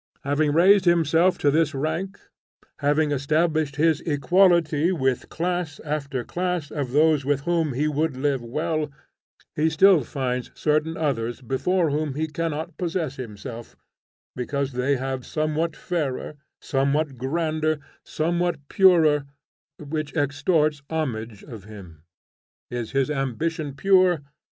Having raised himself to this rank, having established his equality with class after class of those with whom he would live well, he still finds certain others before whom he cannot possess himself, because they have somewhat fairer, somewhat grander, somewhat purer, which extorts homage of him. Is his ambition pure?